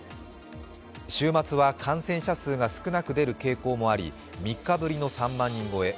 週末は感染者数が少なく出る傾向もあり、３日ぶりの３万人超え。